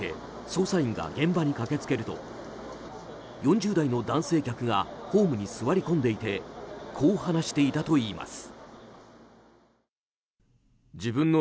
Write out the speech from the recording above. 捜査員が現場に駆け付けると４０代の男性客がホームに座り込んでいてこう話していたといいます。